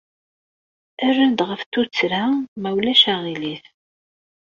Err-d ɣef tuttra, ma ulac aɣilif.